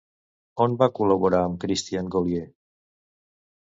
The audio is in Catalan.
On va col·laborar amb Christian Gollier?